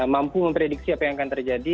mampu memprediksi apa yang akan terjadi